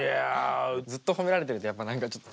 ずっと褒められてると何かちょっと。